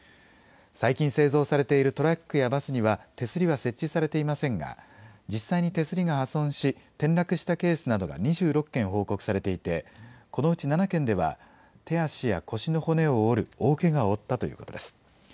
最近製造されているトラックやバスには手すりは設置されていませんが実際に手すりが破損し転落したケースなどが２６件、報告されていてこのうち７件では手足や腰の骨を折る大けがを負ったということです。